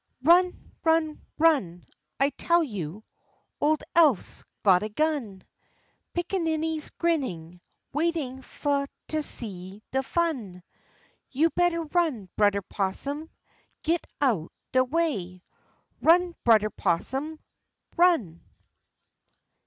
Run, run, run, I tell you, Ole Eph's got a gun. Pickaninnies grinnin' Waitin' fu' to see de fun. You better run, Brudder 'Possum, git out de way! Run, Brudder 'Possum, run!